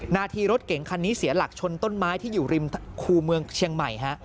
นาทีรถเก่งคันนี้เสียหลักชนต้นไม้ที่อยู่ริมคูเมืองเชียงใหม่ฮะ